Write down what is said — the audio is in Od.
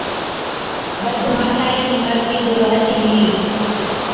بس ماشائِي چِي مرضِي بِي هچ ئِي هِلِي۔